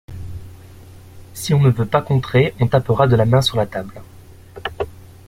Si on ne veut pas contrer, on tapera de la main sur la table.